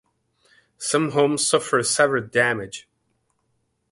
Some homes suffered severe damage.